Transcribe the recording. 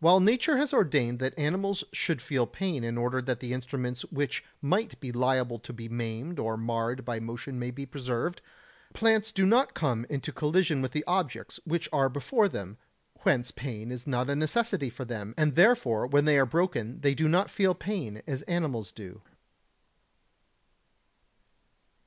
While nature has ordained that animals should feel pain in order that the instruments which might be liable to be maimed or marred by motion may be preserved, plants do not come into collision with the objects which are before them; whence pain is not a necessity for them, and therefore when they are broken they do not feel pain, as animals do.